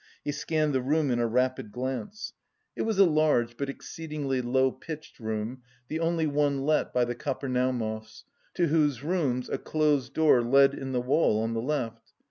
He scanned the room in a rapid glance. It was a large but exceedingly low pitched room, the only one let by the Kapernaumovs, to whose rooms a closed door led in the wall on the left.